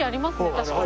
確かに。